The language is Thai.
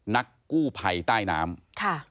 นักกู้ไพรใต้น้ำ